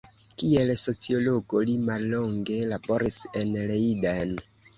Kiel sociologo li mallonge laboris en Leiden.